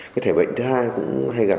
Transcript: cái thể bệnh thứ hai cũng hay gặp là